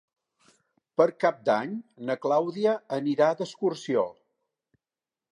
Per Cap d'Any na Clàudia anirà d'excursió.